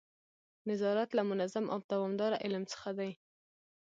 نظارت له منظم او دوامداره علم څخه دی.